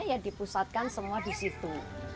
ya dipusatkan semua di situ